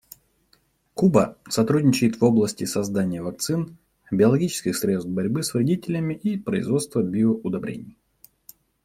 Куба сотрудничает в области создания вакцин, биологических средств борьбы с вредителями и производства биоудобрений.